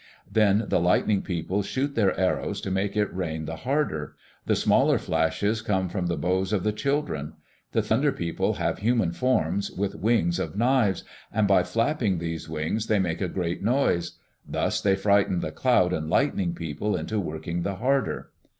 Then the Lightning People shoot their arrows to make it rain the harder. The smaller flashes come from the bows of the children. The Thunder People have human forms, with wings of knives, and by flapping these wings they make a great noise. Thus they frighten the Cloud and Lightning People into working the harder.